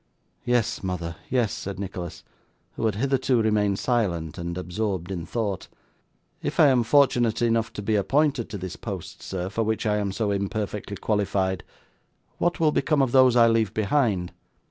'Yes, mother, yes,' said Nicholas, who had hitherto remained silent and absorbed in thought. 'If I am fortunate enough to be appointed to this post, sir, for which I am so imperfectly qualified, what will become of those I leave behind?